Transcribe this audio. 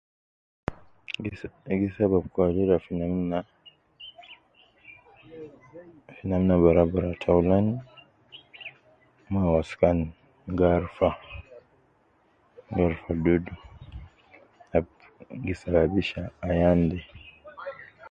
Gi sab de gi sabab cholera fi namna ,fi namna bara bara taulan moyo waskan gi arufa ,gi arufa dudu ab gi sababisha ayan de